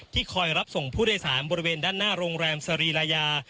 คอยรับส่งผู้โดยสารบริเวณด้านหน้าโรงแรมสรีรายา